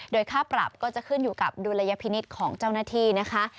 โดยค่าปรับก็จะขึ้นอยู่กับดุลยพินิษฐ์ของเจ้าหน้าที่นะคะ